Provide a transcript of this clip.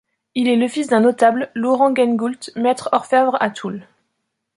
Il est le fils d'un notable, Laurent Gengoult, Maître-Orfèvre à Toul.